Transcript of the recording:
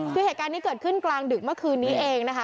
คือเหตุการณ์นี้เกิดขึ้นกลางดึกเมื่อคืนนี้เองนะคะ